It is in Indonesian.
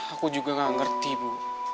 aku juga gak ngerti bu